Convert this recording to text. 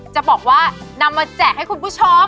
จะบอกว่านำมาแจกให้คุณผู้ชม